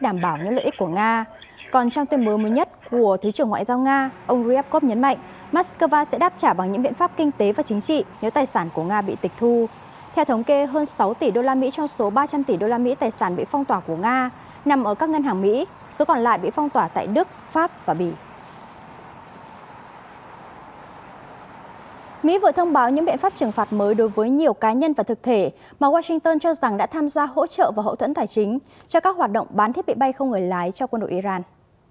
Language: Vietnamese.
mỹ vừa thông báo những biện pháp trừng phạt mới đối với nhiều cá nhân và thực thể mà washington cho rằng đã tham gia hỗ trợ và hậu thuẫn tài chính cho các hoạt động bán thiết bị bay không người lái cho quân đội iran